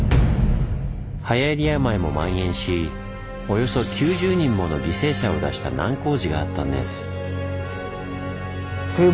はやり病もまん延しおよそ９０人もの犠牲者を出した難工事があったんです。